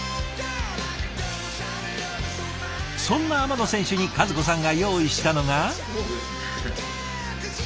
そんな天野選手に和子さんが用意したのが。